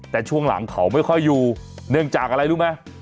แต่ช่วงหลังเขาไม่ค่อยอยู่เนื่องจากอะไรรู้ไหม